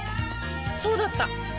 そうだった！